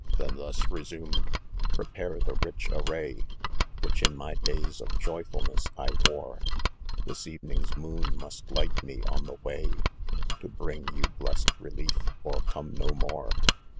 Then thtt» TesTrmed,* 6 Prepare the rich array* "Which in my of joyfuiness I wore ;... This evening's moon nrcst light me on the way To bring you blest reliefâ€" or come no more.